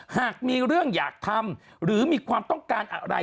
หากมีเรื่องอยากทำหรือมีความต้องการอะไร